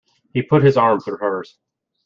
He put his arm through hers.